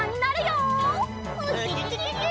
ウキキキ！